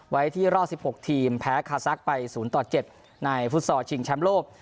ไว้ที่รอดสิบหกทีมแพ้คาซักไปศูนย์ต่อเจ็ดในฟุตซอร์ชิงแชมป์โลก